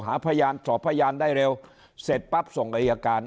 หาพยานสอบพยานได้เร็วเสร็จปั๊บส่งอายการ